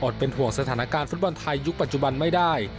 เป็นห่วงสถานการณ์ฟุตบอลไทยยุคปัจจุบันไม่ได้